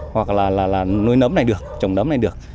hoặc là nuôi nấm này được trồng nấm này được